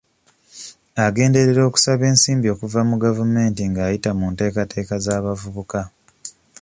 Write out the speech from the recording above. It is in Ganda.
Agenderera okusaka ensimbi okuva mu gavumenti ng'ayita mu nteekateeka z'abavubuka.